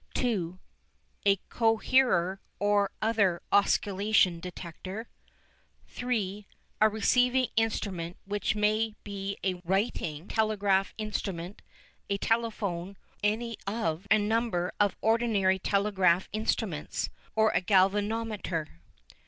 (2) A Coherer or other "oscillation detector." (3) A Receiving Instrument which may be a writing telegraph instrument, a telephone, any of a number of ordinary telegraph instruments, or a galvanometer.